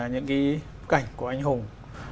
những cái cảnh của anh hùng